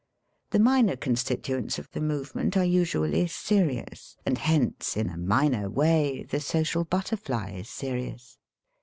The minor constituents of the movement are usually "serious," and hence in a minor way the social butterfly is serious.